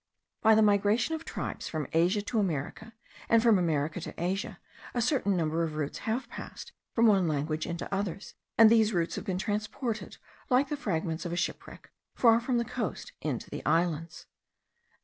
By the migration of tribes from Asia to America, and from America to Asia, a certain number of roots have passed from one language into others; and these roots have been transported, like the fragments of a shipwreck, far from the coast, into the islands.